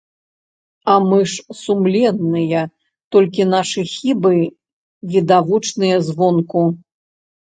А мы ж сумленныя, толькі нашы хібы відавочныя звонку.